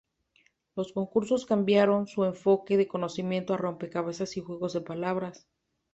Los concursos cambiaron su enfoque de conocimiento a rompecabezas y juegos de palabras.